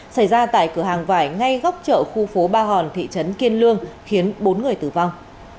xảy ra tại cửa hàng vải ngay góc chợ khu phố ba hòn tp hcm khiến bốn người tử vong